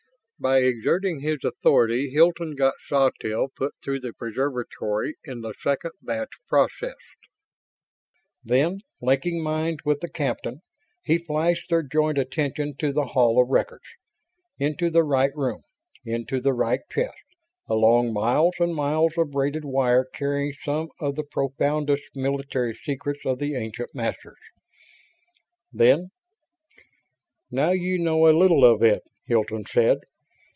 By exerting his authority, Hilton got Sawtelle put through the "Preservatory" in the second batch processed. Then, linking minds with the captain, he flashed their joint attention to the Hall of Records. Into the right room; into the right chest; along miles and miles of braided wire carrying some of the profoundest military secrets of the ancient Masters. Then: "Now you know a little of it," Hilton said.